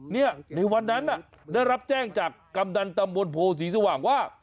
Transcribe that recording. ในวันนั้นได้รับแจ้งจากกำนันตำบลโพศรีสว่างว่า